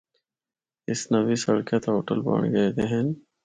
اس نوّی سڑکا تے ہوٹل بنڑ گئے دے ہن۔